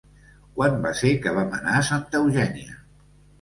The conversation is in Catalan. Quan va ser que vam anar a Santa Eugènia?